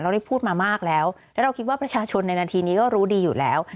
ได้พูดมามากแล้วแล้วเราคิดว่าประชาชนในนาทีนี้ก็รู้ดีอยู่แล้ว